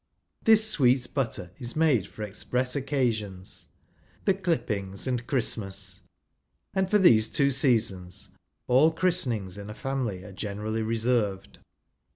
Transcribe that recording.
This "sweet j butter" is made for express occasions— the ;^ clippings, and Christmas ; and for these two i seasons all christenings in a family ai'e I generally reserved.